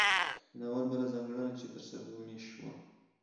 د ناول بله ځانګړنه چې تر سترګو مې شوه